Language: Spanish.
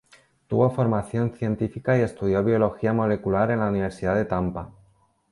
Tuvo formación científica y estudió biología molecular en la Universidad de Tampa.